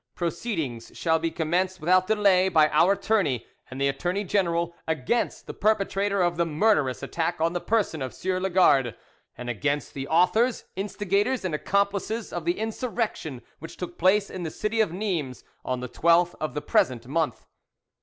Proceedings shall be commenced without delay by Our attorney, and the attorney general, against the perpetrator of the murderous attack on the person of Sieur Lagarde, and against the authors, instigators, and accomplices of the insurrection which took place in the city of Nimes on the 12th of the present month.